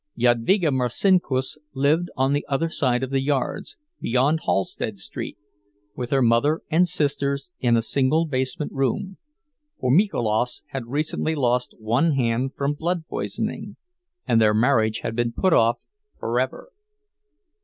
Jadvyga Marcinkus lived on the other side of the yards, beyond Halsted Street, with her mother and sisters, in a single basement room—for Mikolas had recently lost one hand from blood poisoning, and their marriage had been put off forever.